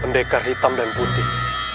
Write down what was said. pendekar hitam dan putih